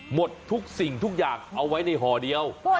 หมดทุกสิ่งทุกอย่างเอาไว้ในห่อเดียว